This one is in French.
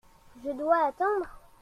Je dois attendre ?